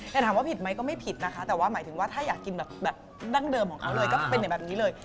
แต่ถามว่าผิดไหมก็ไม่ผิดนะคะแต่ว่าหมายถึงว่าถ้าอยากกินแบบดั้งเดิมของเขาเลยก็เป็นแบบนี้เลย